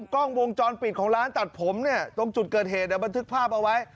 กล้องวงจรปิดของร้านตัดผมเนี่ยตรงจุดเกิดเหตุบันทึกภาพเอาไว้